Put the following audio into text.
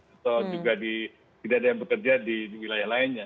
atau juga tidak ada yang bekerja di wilayah lainnya